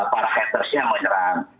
para hatersnya menyerang